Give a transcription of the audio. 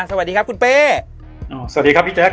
สวัสดีครับคุณเป้สวัสดีครับพี่แจ๊ค